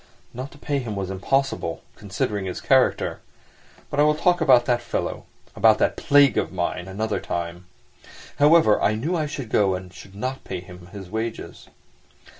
Not to pay him was impossible, considering his character. But I will talk about that fellow, about that plague of mine, another time. However, I knew I should go and should not pay him his wages.